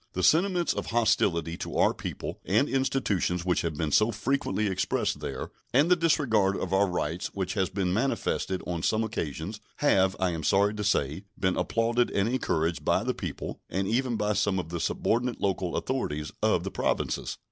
The sentiments of hostility to our people and institutions which have been so frequently expressed there, and the disregard of our rights which has been manifested on some occasions, have, I am sorry to say, been applauded and encouraged by the people, and even by some of the subordinate local authorities, of the Provinces.